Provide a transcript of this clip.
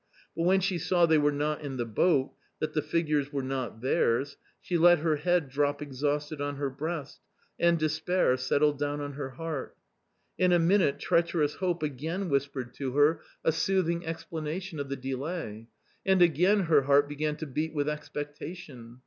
But when she saw they were not in the boat, that the figures were not theirs, she let her head drop exhausted on her breast, and despair settled down on her heart. In a minute treacherous hope again whispered to her a A COMMON STORY 217 soothing explanation of the delay .... and again her heart began to beat with expectation.